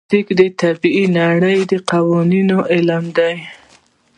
فزیک د طبیعي نړۍ د قوانینو علم دی.